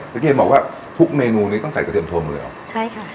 เมื่อกี้บอกว่าทุกเมนูนี้ต้องใส่กระเทียมโทนเลยหรอใช่ค่ะ